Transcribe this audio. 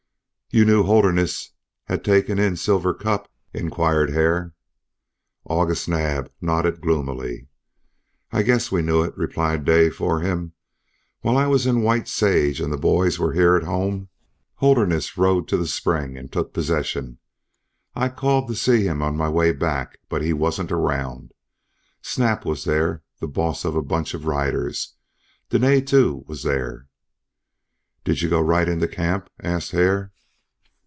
"You knew Holderness had taken in Silver Cup?" inquired Hare. August Naab nodded gloomily. "I guess we knew it," replied Dave for him. "While I was in White Sage and the boys were here at home, Holderness rode to the spring and took possession. I called to see him on my way back, but he wasn't around. Snap was there, the boss of a bunch of riders. Dene, too, was there." "Did you go right into camp?" asked Hare.